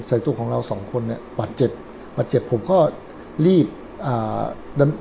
ตัวของเราสองคนเนี้ยบาดเจ็บบาดเจ็บผมก็รีบอ่าดำ